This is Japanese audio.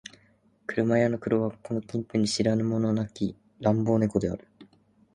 車屋の黒はこの近辺で知らぬ者なき乱暴猫である